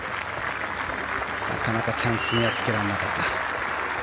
なかなかチャンスにはつけられなかった。